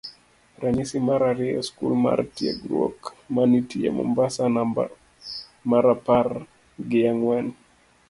Ranyisi mar ariyo skul mar tiegruok ma nitie mombasa namba marapar gi ang'wen